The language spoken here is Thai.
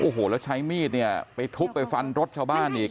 โอ้โหแล้วใช้มีดเนี่ยไปทุบไปฟันรถชาวบ้านอีก